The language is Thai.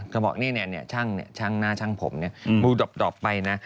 เธอบอกเนี่ยเฉาห์งเนี่ยงมูดอปไปนะ